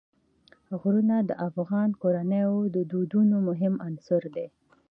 غرونه د افغان کورنیو د دودونو مهم عنصر دی.